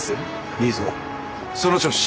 いいぞその調子！